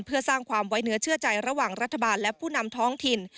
เพื่อสร้างความไว้เนื้อเชื่อใจระหว่างรัฐบาลและผู้นำท้องถิ่น